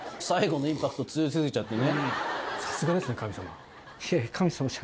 最後のインパクト強すぎちゃ